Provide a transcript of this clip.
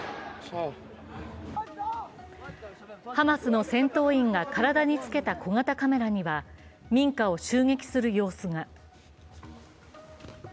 ハマスの戦闘員が体につけた小型カメラには民家を襲撃する様子が。